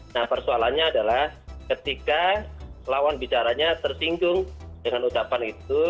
nah persoalannya adalah ketika lawan bicaranya tersinggung dengan ucapan itu